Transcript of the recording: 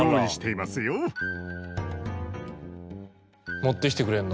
持ってきてくれんの？